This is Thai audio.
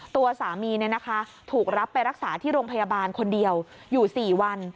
ตัวสามีถูกรับไปรักษาที่โรงพยาบาลคนเดียวอยู่๔วัน